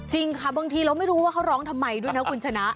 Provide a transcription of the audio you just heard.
จริงค่ะบางทีเราไม่รู้ว่าเขาร้องทำไมด้วยนะคุณชนะ